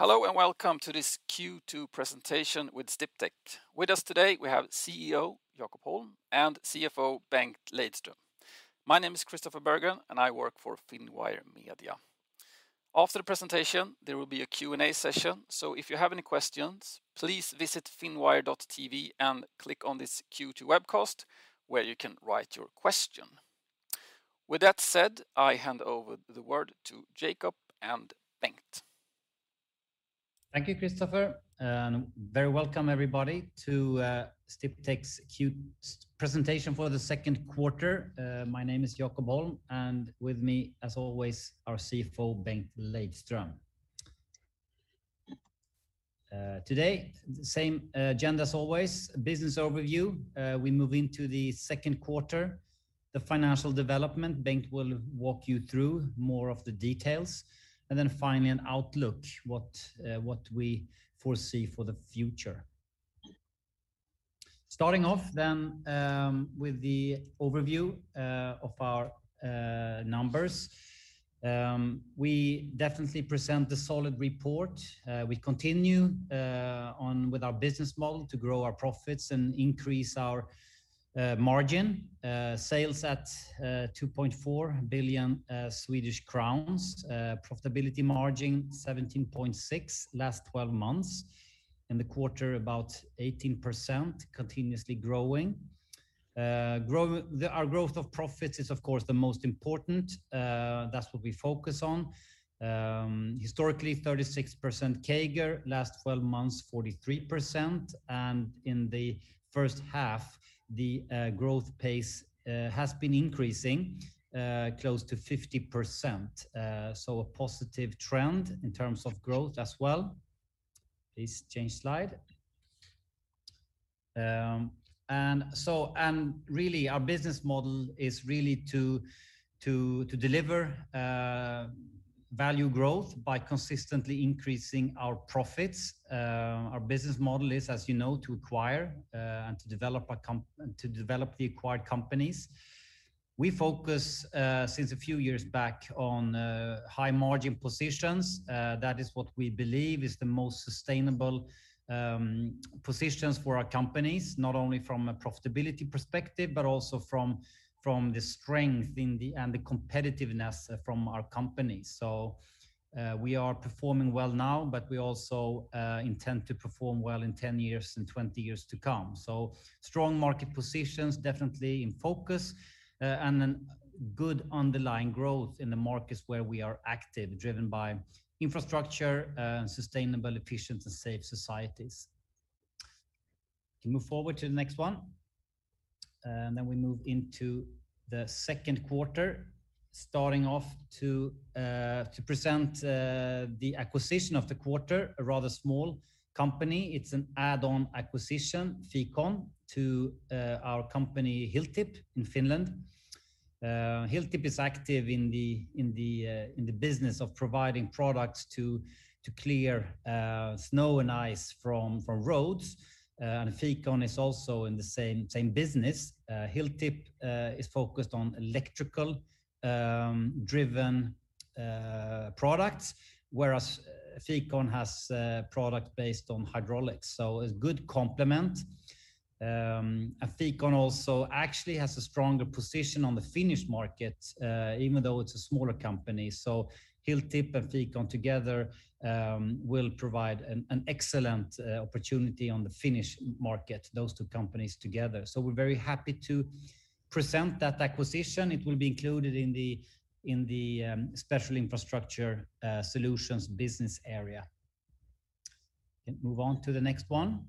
Hello, welcome to this Q2 presentation with Sdiptech. With us today we have CEO Jakob Holm and CFO Bengt Lejdström. My name is Christopher Bergen and I work for Finwire Media. After the presentation, there will be a Q&A session, so if you have any questions, please visit finwire.tv and click on this Q2 webcast where you can write your question. With that said, I hand over the word to Jakob and Bengt. Thank you, Christopher. Very welcome everybody to Sdiptech's presentation for the second quarter. My name is Jakob Holm, and with me, as always, our CFO, Bengt Lejdström. Today, same agenda as always, business overview. We move into the second quarter, the financial development. Bengt will walk you through more of the details. Finally, an outlook, what we foresee for the future. Starting off then with the overview of our numbers. We definitely present a solid report. We continue on with our business model to grow our profits and increase our margin. Sales at 2.4 billion Swedish crowns. Profitability margin 17.6% last 12 months. In the quarter, about 18% continuously growing. Our growth of profits is, of course, the most important. That's what we focus on. Historically, 36% CAGR, last 12 months, 43%. In the first half, the growth pace has been increasing close to 50%. A positive trend in terms of growth as well. Please change slide. Really our business model is really to deliver value growth by consistently increasing our profits. Our business model is, as you know, to acquire and to develop the acquired companies. We focus, since a few years back, on high margin positions. That is what we believe is the most sustainable positions for our companies, not only from a profitability perspective, but also from the strength and the competitiveness from our company. We are performing well now, but we also intend to perform well in 10 years and 20 years to come. Strong market positions definitely in focus, good underlying growth in the markets where we are active, driven by infrastructure, sustainable, efficient, and safe societies. You can move forward to the next one. We move into the second quarter, starting off to present the acquisition of the quarter. A rather small company. It's an add-on acquisition, Ficon, to our company, Hilltip, in Finland. Hilltip is active in the business of providing products to clear snow and ice from roads. Ficon is also in the same business. Hilltip is focused on electrical-driven products, whereas Ficon has products based on hydraulics, a good complement. Ficon also actually has a stronger position on the Finnish market, even though it's a smaller company. Hilltip and Ficon together will provide an excellent opportunity on the Finnish market, those two companies together. We're very happy to present that acquisition. It will be included in the Special Infrastructure Solutions business area. Can move on to the next one.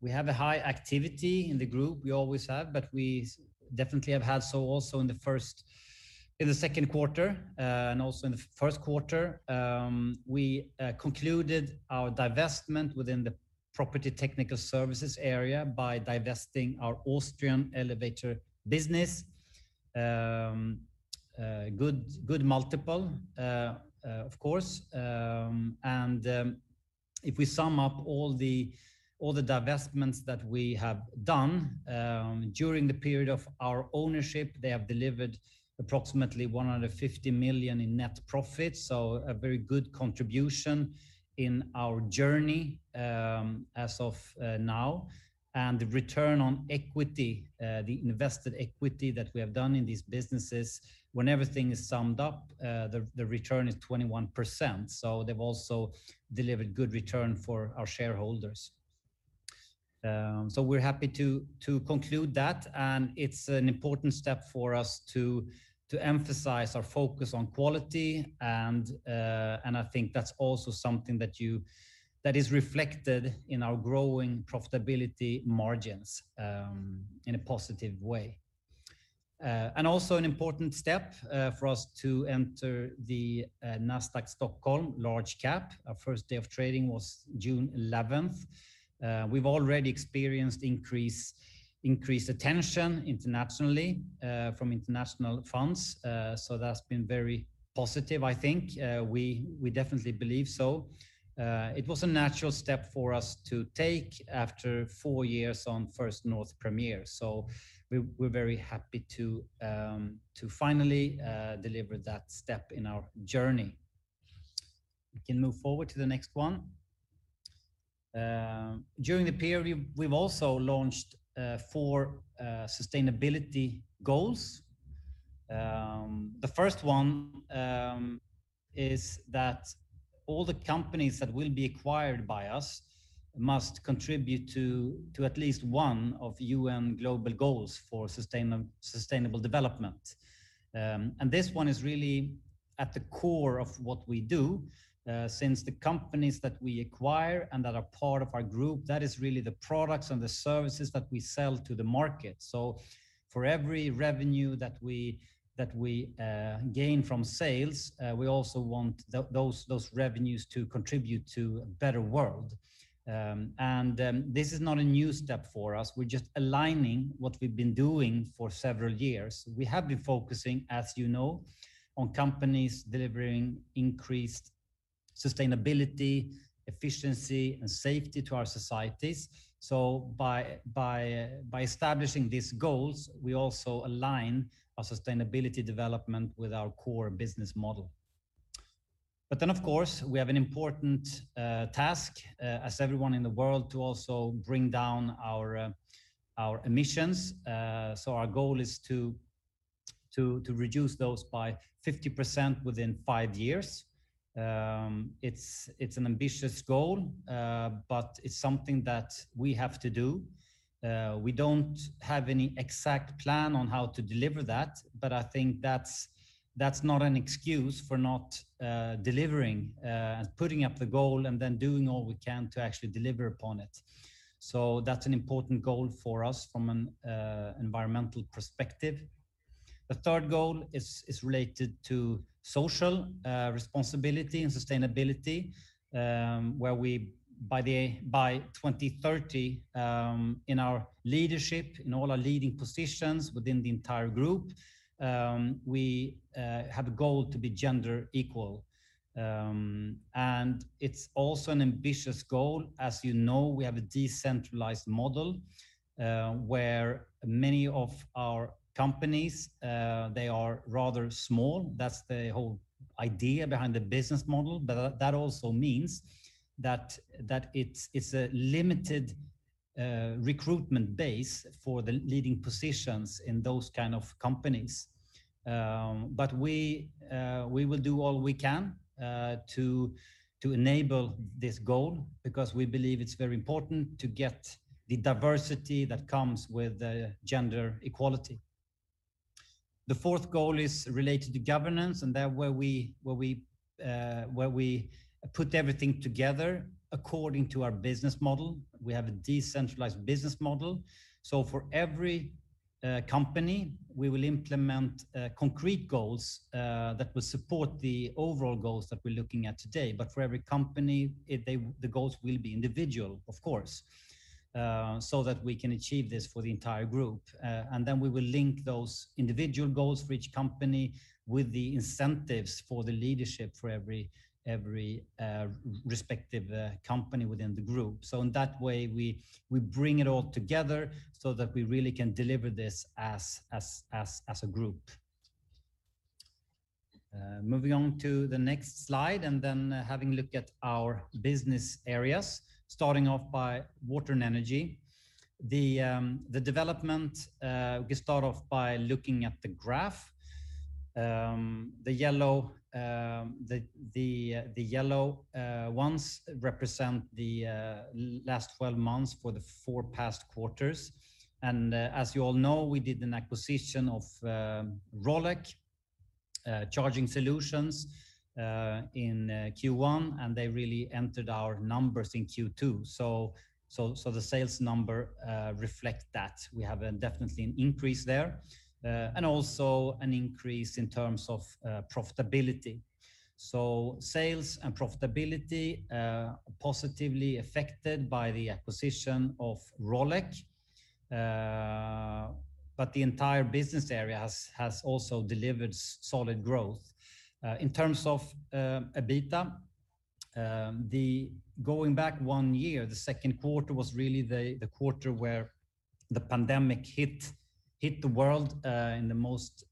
We have a high activity in the group. We always have, but we definitely have had so also in the second quarter. Also in the first quarter, we concluded our divestment within the Property Technical Services area by divesting our Austrian elevator business. Good multiple, of course. If we sum up all the divestments that we have done during the period of our ownership, they have delivered approximately 150 million in net profits. A very good contribution in our journey as of now. The return on equity, the invested equity that we have done in these businesses, when everything is summed up, the return is 21%. They've also delivered good return for our shareholders. We're happy to conclude that, and it's an important step for us to emphasize our focus on quality, and I think that's also something that is reflected in our growing profitability margins in a positive way. Also an important step for us to enter the Nasdaq Stockholm Large Cap. Our first day of trading was June 11th. We've already experienced increased attention internationally from international funds. That's been very positive, I think. We definitely believe so. It was a natural step for us to take after four years on First North Premier. We're very happy to finally deliver that step in our journey. We can move forward to the next one. During the period, we've also launched four sustainability goals. The first one is that all the companies that will be acquired by us must contribute to at least one of the U.N. Sustainable Development Goals. This one is really at the core of what we do, since the companies that we acquire and that are part of our group, that is really the products and the services that we sell to the market. For every revenue that we gain from sales, we also want those revenues to contribute to a better world. This is not a new step for us. We're just aligning what we've been doing for several years. We have been focusing, as you know, on companies delivering increased sustainability, efficiency, and safety to our societies. By establishing these goals, we also align our sustainability development with our core business model. Of course, we have an important task, as everyone in the world, to also bring down our emissions. Our goal is to reduce those by 50% within five years. It's an ambitious goal, but it's something that we have to do. We don't have any exact plan on how to deliver that, but I think that's not an excuse for not delivering and putting up the goal and then doing all we can to actually deliver upon it. That's an important goal for us from an environmental perspective. The third goal is related to social responsibility and sustainability, where by 2030, in our leadership, in all our leading positions within the entire group, we have a goal to be gender equal. It's also an ambitious goal. As you know, we have a decentralized model, where many of our companies are rather small. That's the whole idea behind the business model, but that also means that it's a limited recruitment base for the leading positions in those kind of companies. We will do all we can to enable this goal because we believe it's very important to get the diversity that comes with gender equality. The fourth goal is related to governance, that where we put everything together according to our business model. We have a decentralized business model. For every company, we will implement concrete goals that will support the overall goals that we're looking at today. For every company, the goals will be individual, of course, so that we can achieve this for the entire group. Then we will link those individual goals for each company with the incentives for the leadership for every respective company within the group. In that way, we bring it all together so that we really can deliver this as a group. Moving on to the next slide and then having a look at our business areas, starting off by Water & Energy. The development, we start off by looking at the graph. The yellow ones represent the last 12 months for the four past quarters. As you all know, we did an acquisition of Rolec charging solutions in Q1, and they really entered our numbers in Q2. The sales number reflect that. We have definitely an increase there, and also an increase in terms of profitability. Sales and profitability are positively affected by the acquisition of Rolec, but the entire business area has also delivered solid growth. In terms of EBITDA, going back one year, the second quarter was really the quarter where the pandemic hit the world in the most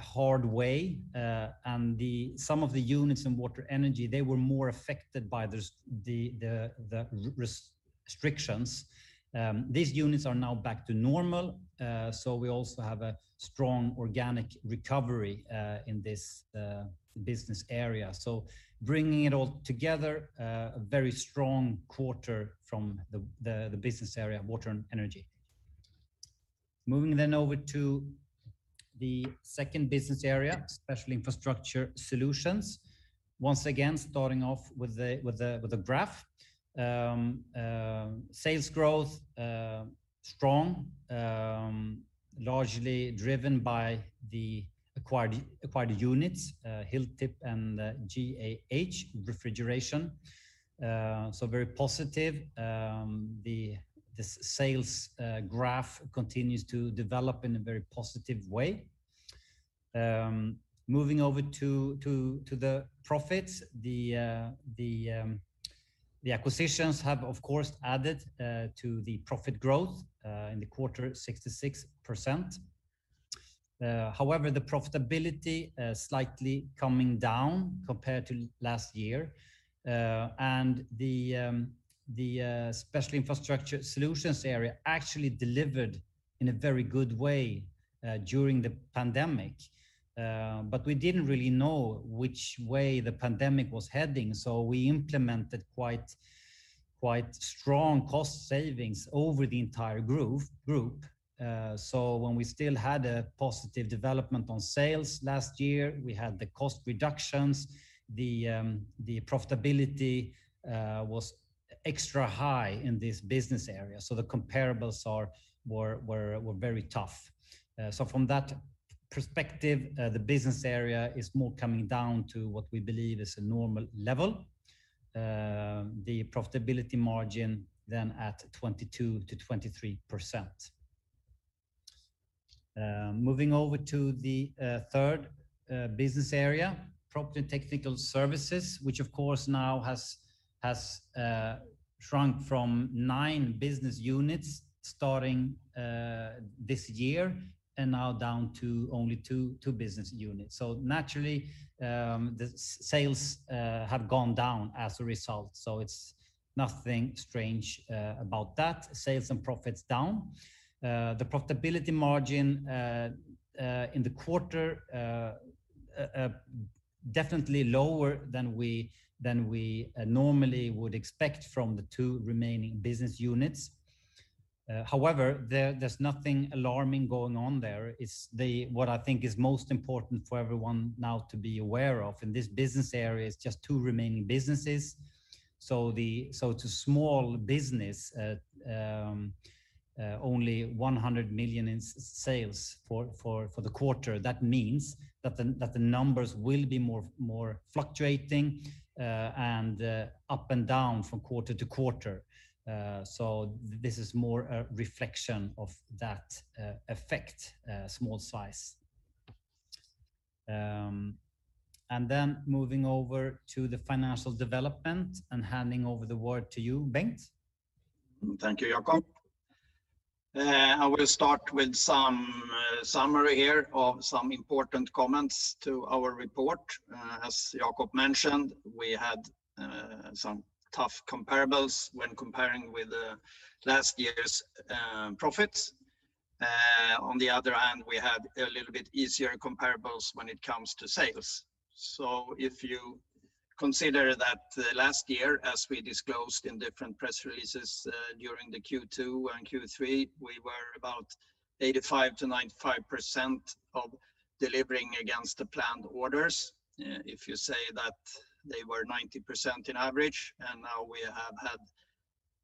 hard way. Some of the units in Water & Energy, they were more affected by the restrictions. These units are now back to normal, so we also have a strong organic recovery in this business area. Bringing it all together, a very strong quarter from the business area of Water & Energy. Moving over to the second business area, Special Infrastructure Solutions. Once again, starting off with a graph. Sales growth, strong, largely driven by the acquired units, Hilltip and GAH (Refrigeration). Very positive. The sales graph continues to develop in a very positive way. Moving over to the profits. The acquisitions have, of course, added to the profit growth in the quarter, 66%. However, the profitability is slightly coming down compared to last year. The Special Infrastructure Solutions area actually delivered in a very good way during the pandemic. We didn't really know which way the pandemic was heading, so we implemented quite strong cost savings over the entire group. When we still had a positive development on sales last year, we had the cost reductions, the profitability was extra high in this business area. The comparables were very tough. From that perspective, the business area is more coming down to what we believe is a normal level. The profitability margin then at 22%-23%. Moving over to the third business area, Property Technical Services, which of course now has shrunk from nine business units starting this year and now down to only two business units. Naturally, the sales have gone down as a result. It's nothing strange about that. Sales and profits down. The profitability margin in the quarter, definitely lower than we normally would expect from the two remaining business units. However, there's nothing alarming going on there. What I think is most important for everyone now to be aware of in this business area is just two remaining businesses. It's a small business, only 100 million in sales for the quarter. That means that the numbers will be more fluctuating and up and down from quarter to quarter. This is more a reflection of that effect, small size. Moving over to the financial development and handing over the word to you, Bengt. Thank you, Jakob. I will start with some summary here of some important comments to our report. As Jakob mentioned, we had some tough comparables when comparing with last year's profits. We had a little bit easier comparables when it comes to sales. If you consider that last year, as we disclosed in different press releases during the Q2 and Q3, we were about 85%-95% of delivering against the planned orders. If you say that they were 90% in average, now we have had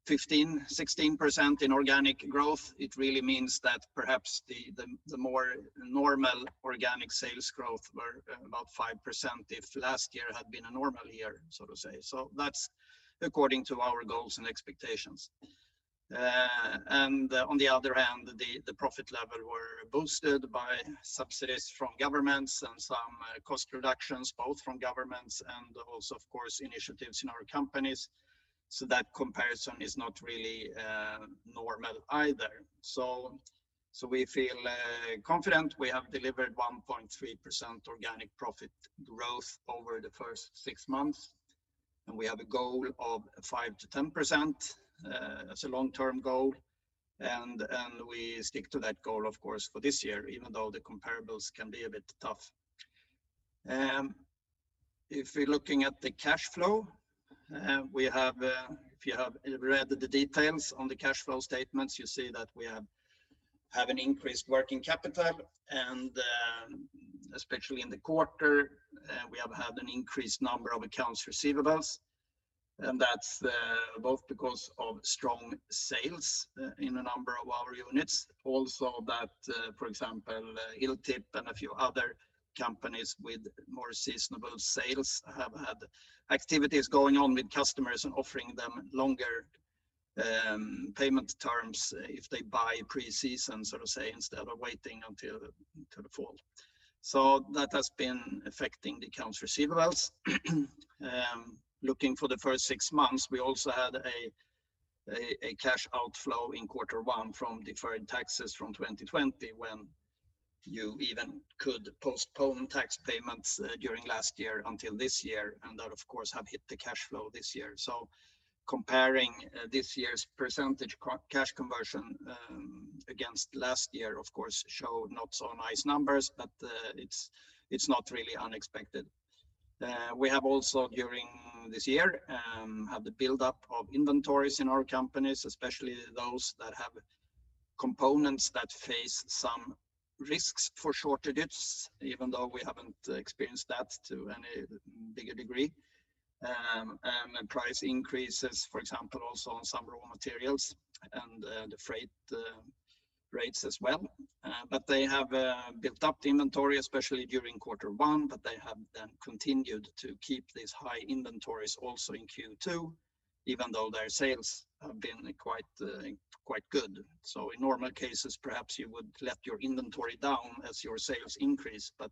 15%-16% in organic growth, it really means that perhaps the more normal organic sales growth were about 5% if last year had been a normal year, so to say. That's according to our goals and expectations. On the other hand, the profit level were boosted by subsidies from governments and some cost reductions, both from governments and also, of course, initiatives in our companies. That comparison is not really normal either. We feel confident we have delivered 1.3% organic profit growth over the first six months, and we have a goal of 5%-10%. That's a long-term goal, and we stick to that goal, of course, for this year, even though the comparables can be a bit tough. If we're looking at the cash flow, if you have read the details on the cash flow statements, you see that we have an increased working capital, and especially in the quarter, we have had an increased number of accounts receivables. That's both because of strong sales in a number of our units. That, for example, Hilltip and a few other companies with more seasonable sales have had activities going on with customers and offering them longer payment terms if they buy pre-season, so to say, instead of waiting until the fall. That has been affecting the accounts receivables. Looking for the first six months, we also had a cash outflow in Q1 from deferred taxes from 2020, when you even could postpone tax payments during last year until this year, and that, of course, have hit the cash flow this year. Comparing this year's percentage cash conversion against last year, of course, showed not so nice numbers, but it's not really unexpected. We have also during this year had the buildup of inventories in our companies, especially those that have components that face some risks for shortages, even though we haven't experienced that to any bigger degree. Price increases, for example, also on some raw materials and the freight rates as well. They have built up the inventory, especially during quarter one, but they have then continued to keep these high inventories also in Q2, even though their sales have been quite good. In normal cases, perhaps you would let your inventory down as your sales increase, but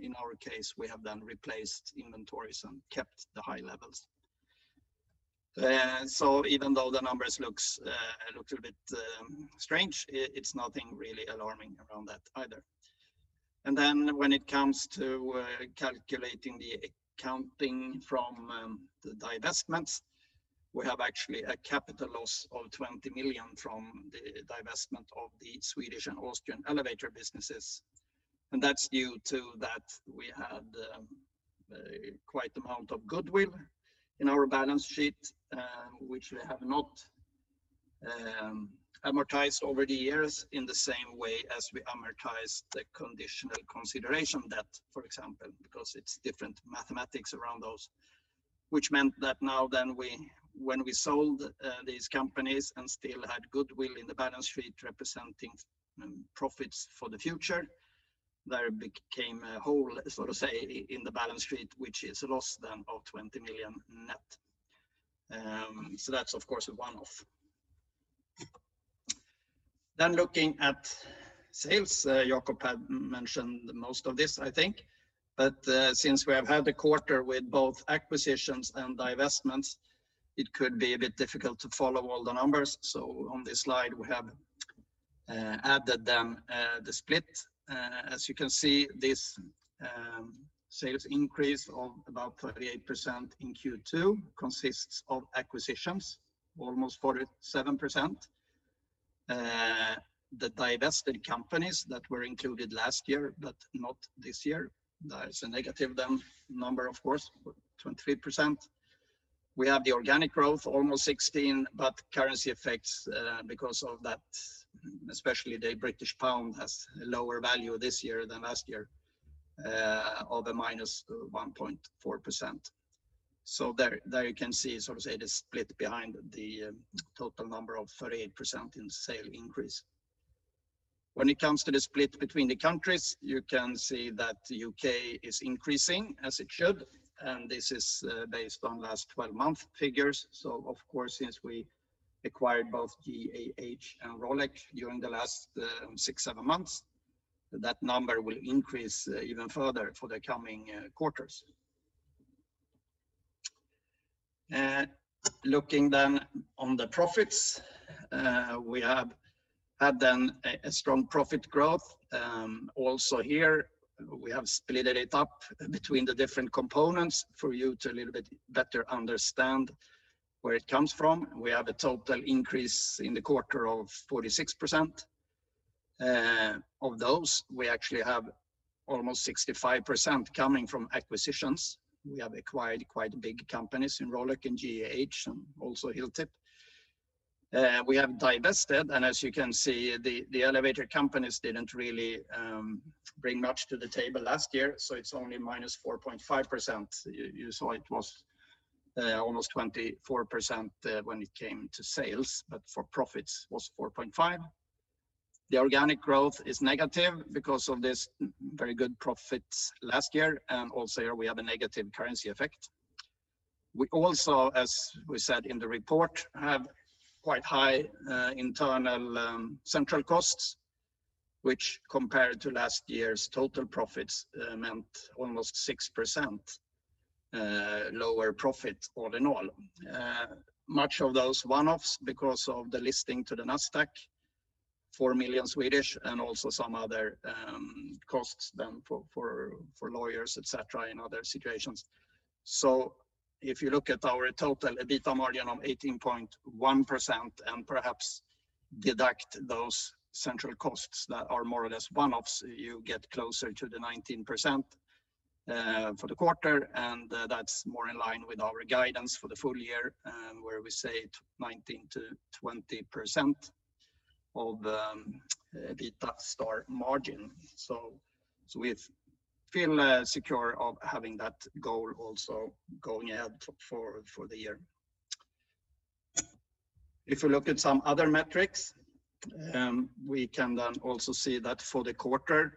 in our case, we have then replaced inventories and kept the high levels. Even though the numbers look a little bit strange, it's nothing really alarming around that either. When it comes to calculating the accounting from the divestments, we have actually a capital loss of 20 million from the divestment of the Swedish and Austrian elevator businesses. That's due to that we had quite amount of goodwill in our balance sheet, which we have not amortized over the years in the same way as we amortized the conditional consideration debt, for example, because it's different mathematics around those. Meant that now when we sold these companies and still had goodwill in the balance sheet representing profits for the future, there became a hole in the balance sheet, which is a loss then of 20 million net. That's, of course, a one-off. Looking at sales, Jakob had mentioned most of this, I think. Since we have had a quarter with both acquisitions and divestments, it could be a bit difficult to follow all the numbers. On this slide, we have added them, the split. As you can see, this sales increase of about 38% in Q2 consists of acquisitions, almost 47%. The divested companies that were included last year but not this year, that is a negative number, of course, 23%. We have the organic growth almost 16%. Currency effects, because of that, especially the British pound has a lower value this year than last year, of -1.4%. There you can see the split behind the total number of 38% in sale increase. When it comes to the split between the countries, you can see that U.K. is increasing as it should, and this is based on last 12-month figures. Of course, since we acquired both GAH and Rolec during the last six, seven months, that number will increase even further for the coming quarters. Looking on the profits, we have had a strong profit growth. Also here, we have splitted it up between the different components for you to little bit better understand where it comes from. We have a total increase in the quarter of 46%. Of those, we actually have almost 65% coming from acquisitions. We have acquired quite big companies in Rolec and GAH, and also Hilltip. We have divested, and as you can see, the elevator companies didn't really bring much to the table last year, so it's only minus 4.5%. You saw it was almost 24% when it came to sales, but for profits was 4.5%. The organic growth is negative because of this very good profits last year, and also here we have a negative currency effect. We also, as we said in the report, have quite high internal central costs, which compared to last year's total profits, meant almost 6% lower profit all in all. Much of those one-offs because of the listing to the Nasdaq, 4 million, and also some other costs then for lawyers, et cetera, and other situations. If you look at our total EBITDA margin of 18.1% and perhaps deduct those central costs that are more or less one-offs, you get closer to the 19% for the quarter, and that's more in line with our guidance for the full year, where we say 19%-20% of the EBITDA margin. We feel secure of having that goal also going ahead for the year. If we look at some other metrics, we can then also see that for the quarter,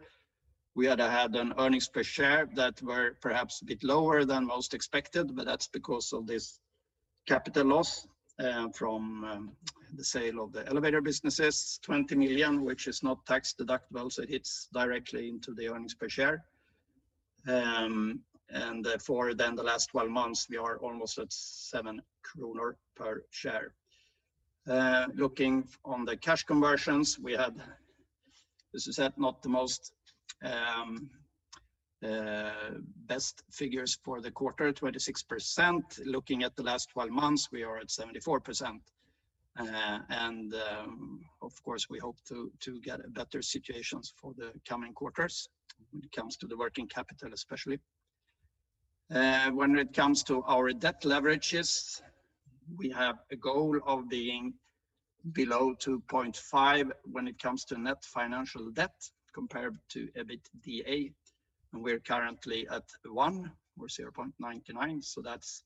we had an earnings per share that were perhaps a bit lower than most expected, but that's because of this capital loss from the sale of the elevator businesses, 20 million, which is not tax-deductible, it hits directly into the earnings per share. For the last 12 months, we are almost at 7 kronor per share. Looking on the cash conversions we had, as I said, not the most best figures for the quarter, 26%. Looking at the last 12 months, we are at 74%. Of course, we hope to get a better situations for the coming quarters when it comes to the working capital, especially. When it comes to our debt leverages, we have a goal of being below 2.5 when it comes to net financial debt compared to EBITDA, we're currently at 1 or 0.99. That's,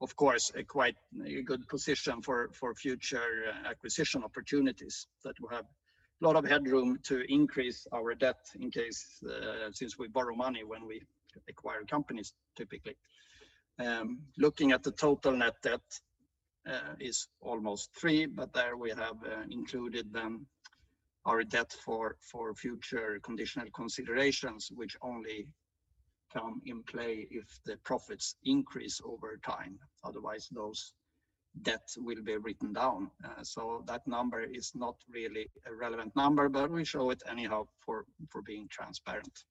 of course, a quite good position for future acquisition opportunities, that we have a lot of headroom to increase our debt since we borrow money when we acquire companies, typically. Looking at the total net debt is almost three, there we have included then our debt for future conditional considerations which only come into play if the profits increase over time. Otherwise, those debts will be written down. That number is not really a relevant number, we show it anyhow for being transparent.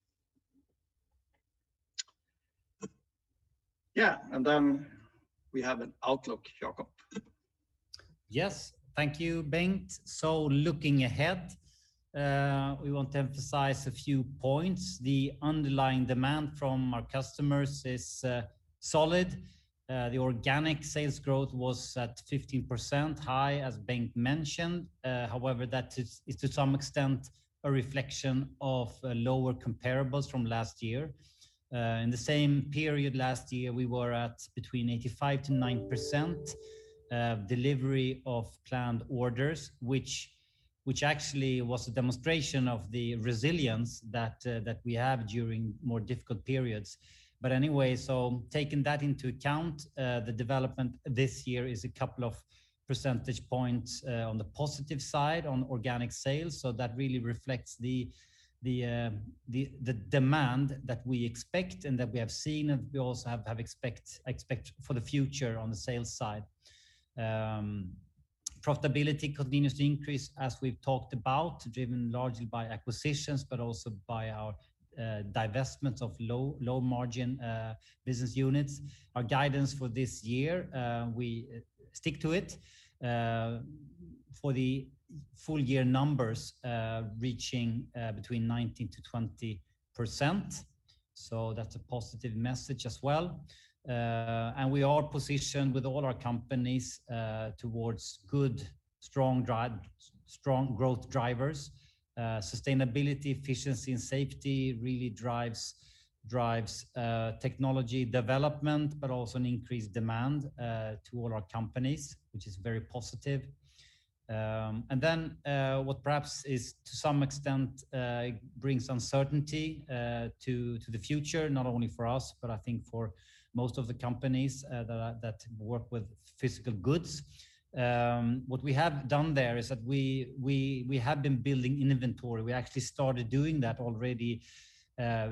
We have an outlook, Jakob. Yes. Thank you, Bengt. Looking ahead, we want to emphasize a few points. The underlying demand from our customers is solid. The organic sales growth was at 15% high, as Bengt mentioned. That is to some extent a reflection of lower comparables from last year. In the same period last year, we were at between 85%-90% delivery of planned orders, which actually was a demonstration of the resilience that we have during more difficult periods. Taking that into account, the development this year is a couple of percentage points on the positive side on organic sales. That really reflects the demand that we expect and that we have seen, and we also expect for the future on the sales side. Profitability continues to increase, as we've talked about, driven largely by acquisitions, but also by our divestment of low-margin business units. Our guidance for this year, we stick to it. For the full-year numbers, reaching between 19%-20%. That's a positive message as well. We are positioned with all our companies towards good, strong growth drivers. Sustainability, efficiency, and safety really drives technology development, but also an increased demand to all our companies, which is very positive. What perhaps to some extent brings uncertainty to the future, not only for us, but I think for most of the companies that work with physical goods. What we have done there is that we have been building inventory. We actually started doing that already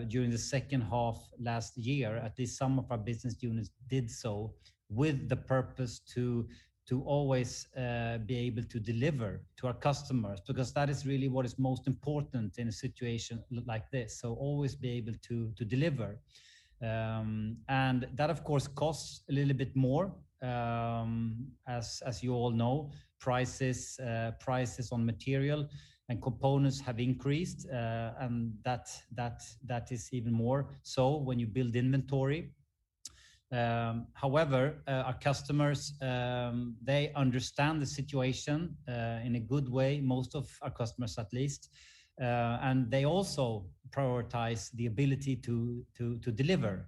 during the second half last year. At least some of our business units did so with the purpose to always be able to deliver to our customers, because that is really what is most important in a situation like this. Always be able to deliver. That, of course, costs a little bit more, as you all know. Prices on material and components have increased, and that is even more so when you build inventory. However, our customers understand the situation in a good way, most of our customers at least. They also prioritize the ability to deliver.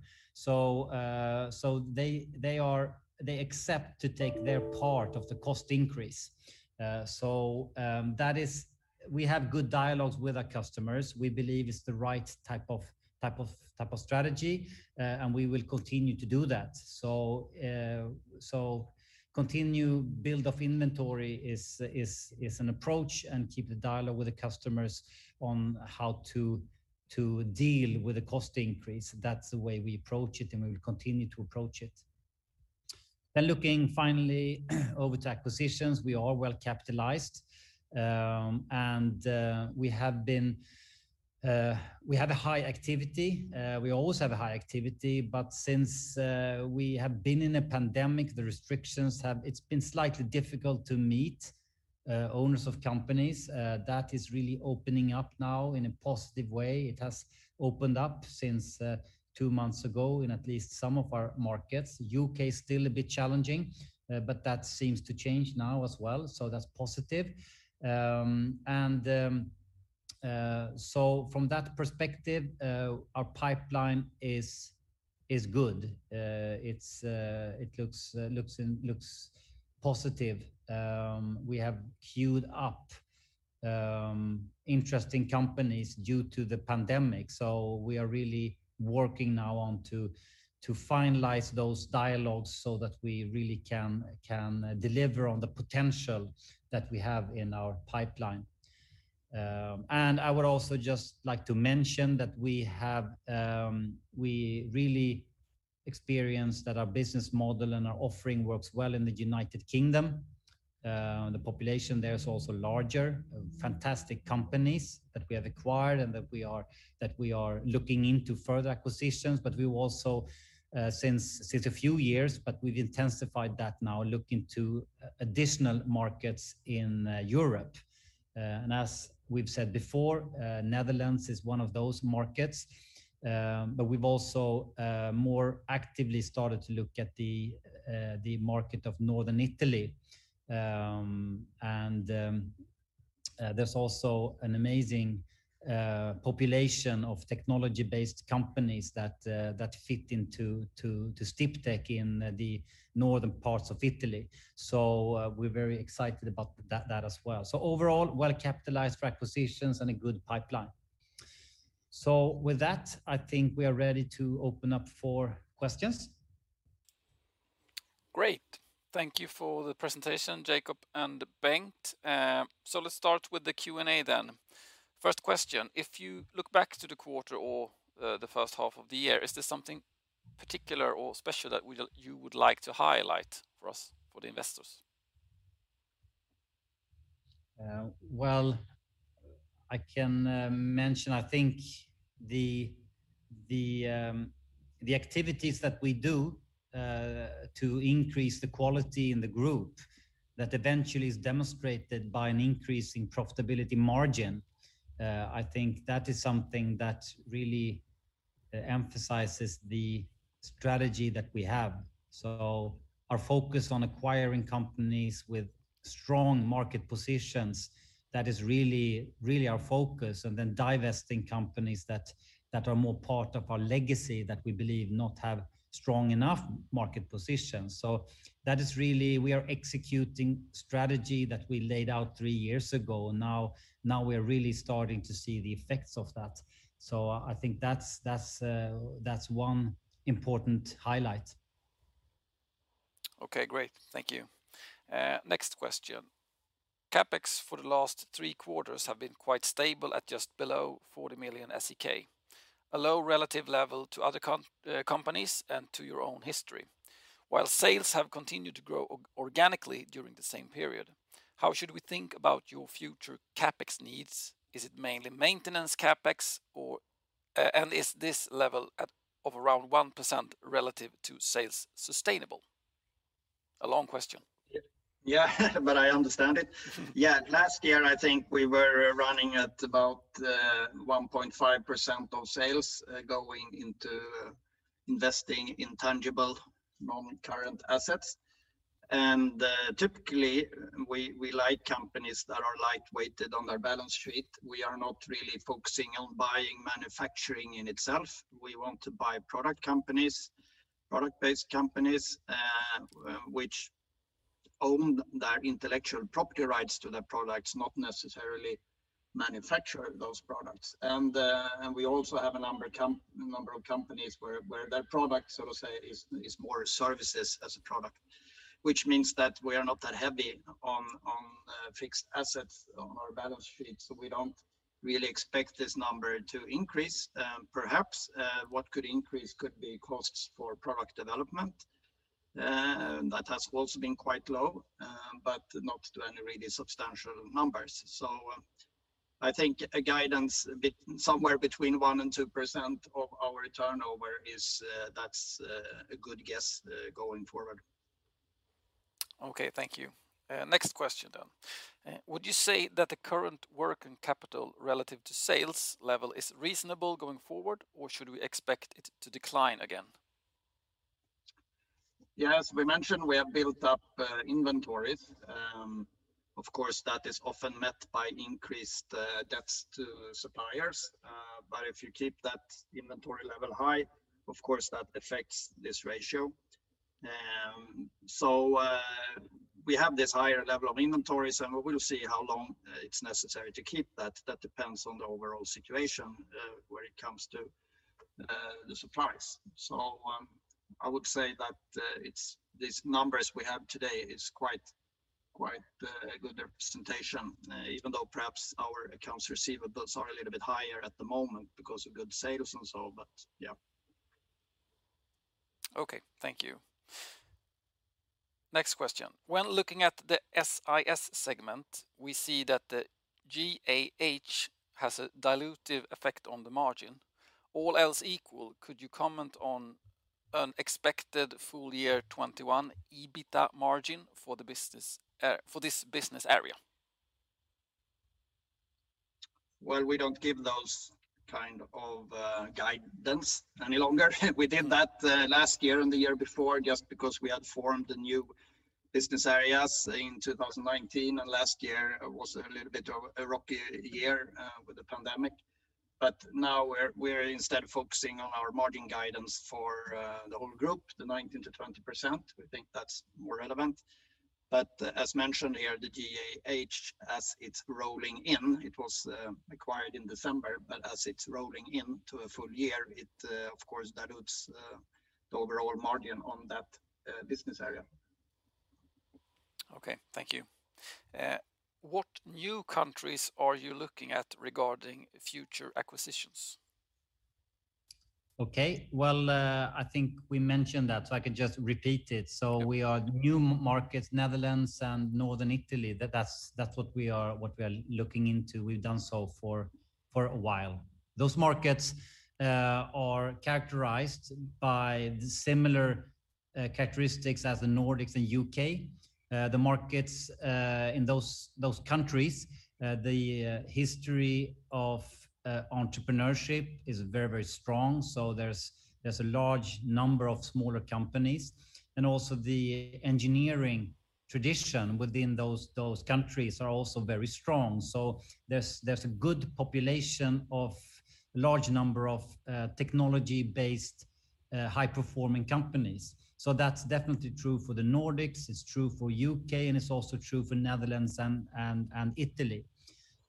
They accept to take their part of the cost increase. We have good dialogues with our customers. We believe it's the right type of strategy, and we will continue to do that. Continue build of inventory is an approach and keep the dialogue with the customers on how to deal with the cost increase. That's the way we approach it, and we will continue to approach it. Looking finally over to acquisitions, we are well-capitalized. We have a high activity. We always have a high activity, but since we have been in a pandemic, it's been slightly difficult to meet owners of companies. That is really opening up now in a positive way. It has opened up since two months ago in at least some of our markets. U.K., is still a bit challenging, but that seems to change now as well. That's positive. From that perspective, our pipeline is good. It looks positive. We have queued up interesting companies due to the pandemic. We are really working now on to finalize those dialogues so that we really can deliver on the potential that we have in our pipeline. I would also just like to mention that we really experienced that our business model and our offering works well in the United Kingdom. The population there is also larger. Fantastic companies that we have acquired and that we are looking into further acquisitions. We will also since a few years, but we've intensified that now, look into additional markets in Europe. As we've said before, Netherlands is one of those markets. We've also more actively started to look at the market of Northern Italy. There's also an amazing population of technology-based companies that fit into Sdiptech in the northern parts of Italy. We're very excited about that as well. Overall, well-capitalized for acquisitions and a good pipeline. With that, I think we are ready to open up for questions. Great. Thank you for the presentation, Jakob and Bengt. Let's start with the Q&A then. First question, if you look back to the quarter or the first half of the year, is there something particular or special that you would like to highlight for us, for the investors? Well, I can mention, I think the activities that we do to increase the quality in the group that eventually is demonstrated by an increase in profitability margin, I think that is something that really emphasizes the strategy that we have. Our focus on acquiring companies with strong market positions, that is really our focus, and then divesting companies that are more part of our legacy that we believe not have strong enough market positions. We are executing strategy that we laid out three years ago, and now we are really starting to see the effects of that. I think that's one important highlight. Okay, great. Thank you. Next question. CapEx for the last three quarters have been quite stable at just below 40 million SEK, a low relative level to other companies and to your own history. While sales have continued to grow organically during the same period, how should we think about your future CapEx needs? Is it mainly maintenance CapEx, and is this level of around 1% relative to sales sustainable? A long question. I understand it. Last year, I think we were running at about 1.5% of sales going into investing in tangible normal current assets. Typically, we like companies that are light-weighted on their balance sheet. We are not really focusing on buying manufacturing in itself. We want to buy product companies, product-based companies, which own their intellectual property rights to their products, not necessarily manufacture those products. We also have a number of companies where their product, so to say, is more services as a product, which means that we are not that heavy on fixed assets on our balance sheet. We don't really expect this number to increase. Perhaps what could increase could be costs for product development. That has also been quite low, but not to any really substantial numbers. I think a guidance somewhere between 1% and 2% of our turnover is a good guess going forward. Okay, thank you. Next question. Would you say that the current working capital relative to sales level is reasonable going forward, or should we expect it to decline again? As we mentioned, we have built up inventories. Of course, that is often met by increased debts to suppliers. If you keep that inventory level high, of course that affects this ratio. We have this higher level of inventories, and we will see how long it's necessary to keep that. That depends on the overall situation when it comes to the supplies. I would say that these numbers we have today is quite a good representation even though perhaps our accounts receivables are a little bit higher at the moment because of good sales and so on. Okay. Thank you. Next question. When looking at the SIS segment, we see that the GAH has a dilutive effect on the margin. All else equal, could you comment on an expected full year 2021 EBITDA margin for this business area? Well, we don't give those kind of guidance any longer. We did that last year and the year before, just because we had formed the new business areas in 2019, and last year was a little bit of a rocky year with the pandemic. Now we're instead focusing on our margin guidance for the whole group, the 19%-20%. We think that's more relevant. As mentioned here, the GAH, as it's rolling in, it was acquired in December, but as it's rolling into a full year, it of course dilutes the overall margin on that business area. Okay. Thank you. What new countries are you looking at regarding future acquisitions? Okay. Well, I think we mentioned that, I can just repeat it. New markets, Netherlands and Northern Italy, that's what we are looking into. We've done so for a while. Those markets are characterized by similar characteristics as the Nordics and U.K. The markets in those countries, the history of entrepreneurship is very strong. There's a large number of smaller companies, and also the engineering tradition within those countries are also very strong. There's a good population of large number of technology-based high-performing companies. That's definitely true for the Nordics, it's true for U.K., and it's also true for Netherlands and Italy.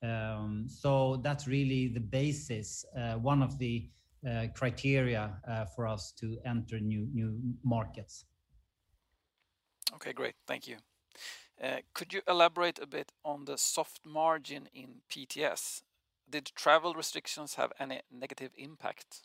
That's really the basis, one of the criteria for us to enter new markets. Okay, great. Thank you. Could you elaborate a bit on the soft margin in PTS? Did travel restrictions have any negative impact?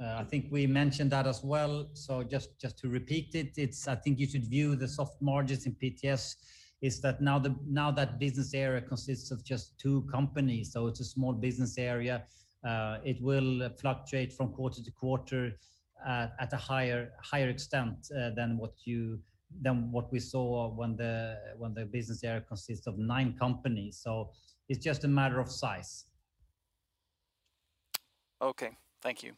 I think we mentioned that as well. Just to repeat it, I think you should view the soft margins in PTS, is that now that business area consists of just two companies, so it's a small business area. It will fluctuate from quarter to quarter at a higher extent than what we saw when the business area consists of nine companies. It's just a matter of size. Okay, thank you.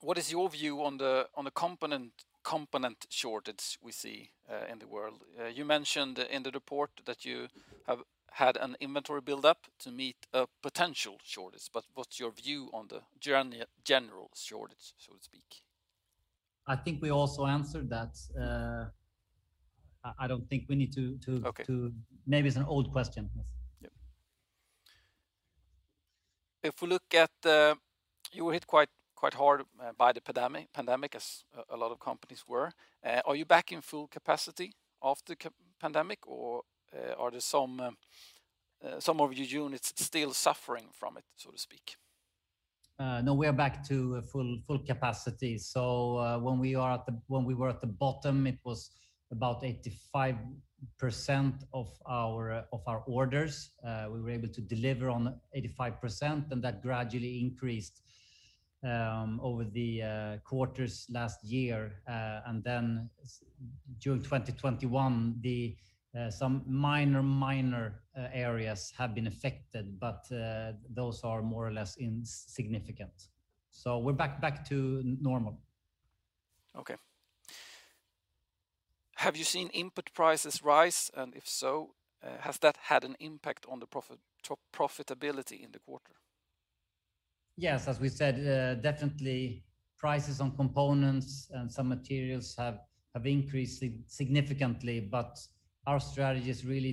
What is your view on the component shortage we see in the world? You mentioned in the report that you have had an inventory buildup to meet a potential shortage, but what's your view on the general shortage, so to speak? I think we also answered that. Okay. Maybe it's an old question. Yep. If we look at You were hit quite hard by the pandemic, as a lot of companies were. Are you back in full capacity after the pandemic, or are some of your units still suffering from it, so to speak? We are back to full capacity. When we were at the bottom, it was about 85% of our orders. We were able to deliver on 85%, and that gradually increased over the quarters last year. During 2021, some minor areas have been affected, but those are more or less insignificant. We're back to normal. Okay. Have you seen input prices rise? If so, has that had an impact on the profitability in the quarter? Yes, as we said, definitely prices on components and some materials have increased significantly, but our strategy is really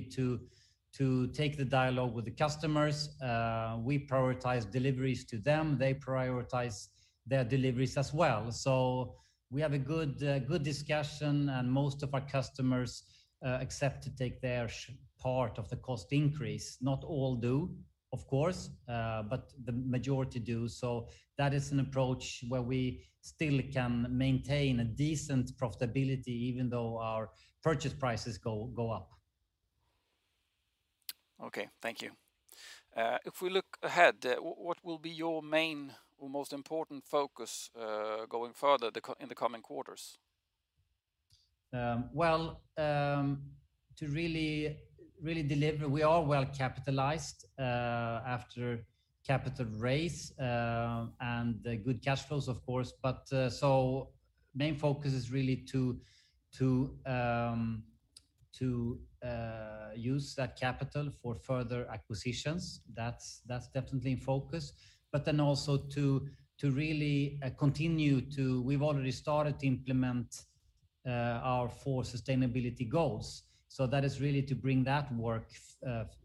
to take the dialogue with the customers. We prioritize deliveries to them. They prioritize their deliveries as well. We have a good discussion, and most of our customers accept to take their part of the cost increase. Not all do, of course, but the majority do. That is an approach where we still can maintain a decent profitability, even though our purchase prices go up. Okay. Thank you. If we look ahead, what will be your main or most important focus going further in the coming quarters? Well, to really deliver, we are well capitalized after capital raise and good cash flows, of course. Main focus is really to use that capital for further acquisitions. That's definitely in focus. Also to really continue, we've already started to implement our four sustainability goals. That is really to bring that work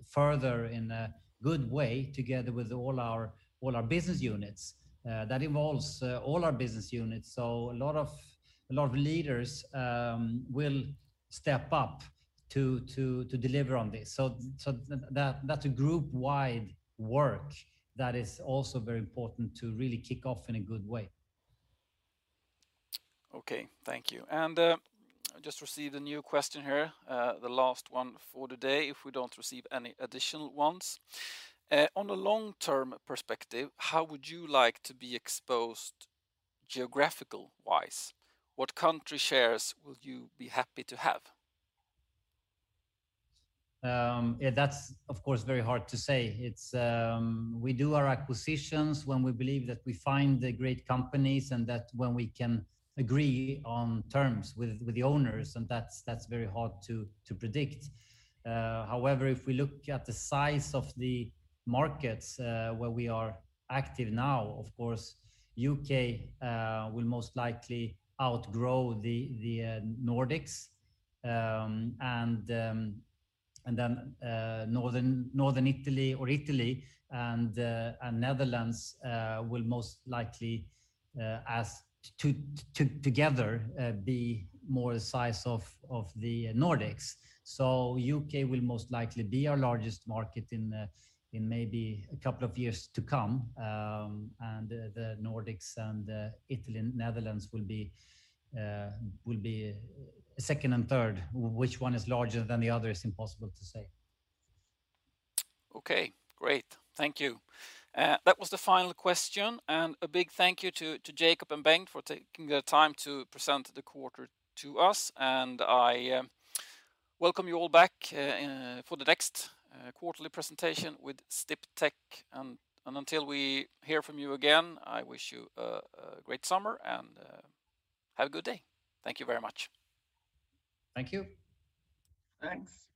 further in a good way together with all our business units. That involves all our business units. A lot of leaders will step up to deliver on this. That's a group-wide work that is also very important to really kick off in a good way. Okay, thank you. I just received a new question here, the last one for today, if we don't receive any additional ones. On a long-term perspective, how would you like to be exposed geographical-wise? What country shares would you be happy to have? That's of course very hard to say. We do our acquisitions when we believe that we find the great companies and that when we can agree on terms with the owners, and that's very hard to predict. However, if we look at the size of the markets where we are active now, of course, U.K., will most likely outgrow the Nordics, and then Northern Italy or Italy and Netherlands will most likely, together, be more the size of the Nordics. U.K., will most likely be our largest market in maybe a couple of years to come. The Nordics and Italy and Netherlands will be second and third. Which one is larger than the other is impossible to say. Okay, great. Thank you. That was the final question. A big thank you to Jakob and Bengt for taking the time to present the quarter to us. I welcome you all back for the next quarterly presentation with Sdiptech. Until we hear from you again, I wish you a great summer and have a good day. Thank you very much. Thank you. Thanks.